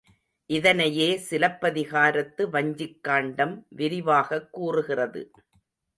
இதனையே சிலப்பதிகாரத்து வஞ்சிக்காண்டம் விரிவாகக் கூறுகிறது.